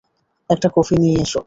একটা কফি নিয়ে এসো।